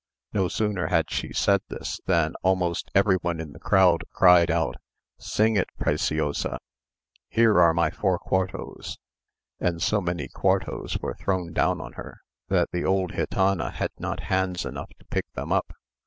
No sooner had she said this, than almost every one in the ring cried out, "Sing it, Preciosa; here are my four quartos;" and so many quartos were thrown down for her, that the old gitana had not hands enough to pick them up.